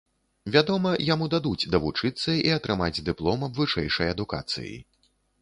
Вядома, яму дадуць давучыцца і атрымаць дыплом аб вышэйшай адукацыі.